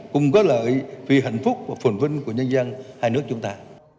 cùng có lợi vì hạnh phúc và phồn vinh của nhân dân hai nước chúng ta